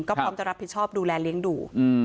ก็พร้อมจะรับผิดชอบดูแลเลี้ยงดู